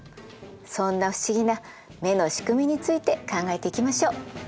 そんな不思議な目の仕組みについて考えていきましょう。